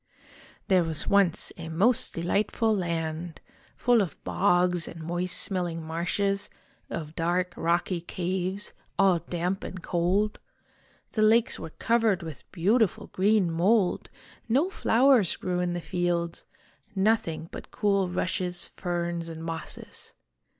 "There was once a most delightful land, full of bogs and moist smelling marshes, of dark rocky caves, all damp and cold. The lakes were covered with beautiful oreen *_> mold, no flowers grew in the fields nothing but cool rushes, ferns, and mosses.